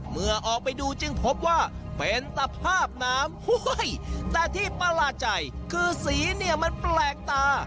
เมื่อออกไปดูจึงพบว่าเป็นตภาพน้ำแต่ที่ประหลาดใจคือสีเนี่ยมันแปลกตา